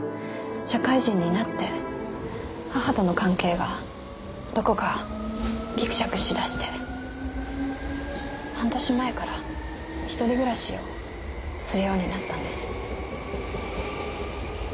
社会人になって母との関係がどこかギクシャクしだして半年前から一人暮らしをするようになったんです。